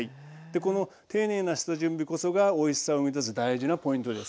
この丁寧な下準備こそがおいしさを生み出す大事なポイントです。